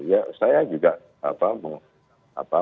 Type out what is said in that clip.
ya saya juga apa